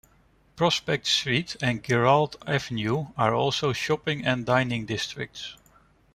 Prospect Street and Girard Avenue are also shopping and dining districts.